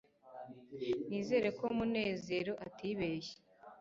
nizere ko munezero atibeshye